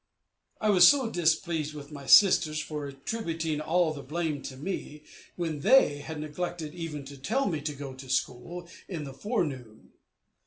I was displeased with my sisters for attributing all the blame to me, when they had neglected even to tell me to go to school in the forenoon.